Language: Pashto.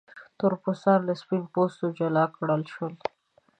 تور پوستان له سپین پوستو جلا کړل شول.